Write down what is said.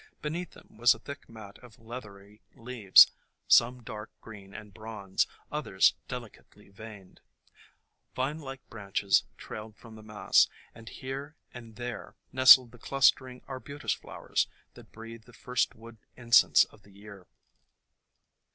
Beneath them was a thick mat of leathery leaves ; some dark green and bronze, others delicately veined. Vine THE COMING OF SPRING like branches trailed from the mass, and here and there nestled the clustering Arbutus flowers that breathe the first wood incense of the year.